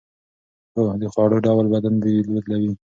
هو، د خوړو ډول بدن بوی بدلوي.